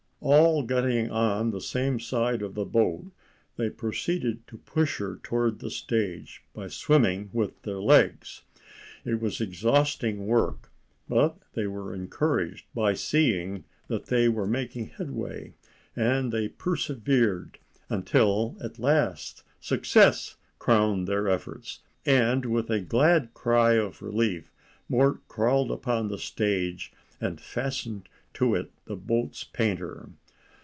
All getting on the same side of the boat, they proceeded to push her toward the stage by swimming with their legs. It was exhausting work, but they were encouraged by seeing that they were making headway, and they persevered until at last success crowned their efforts, and with a glad cry of relief Mort crawled upon the stage and fastened to it the boat's painter.